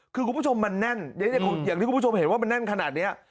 คือคุณผู้ชมมันแน่นอย่างที่คุณผู้ชมเห็นว่ามันแน่นขนาดนี้